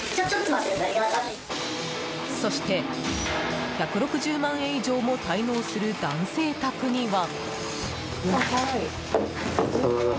そして、１６０万円以上も滞納する男性宅には。